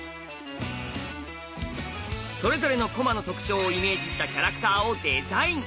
それぞれの駒の特徴をイメージしたキャラクターをデザイン。